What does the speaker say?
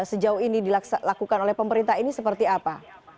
sejauh ini dilakukan oleh pemerintah ini seperti apa